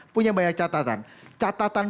punya banyak catatan catatan paling banyaknya adalah